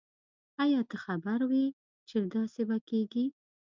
آیا ته خبر وی چې داسي به کیږی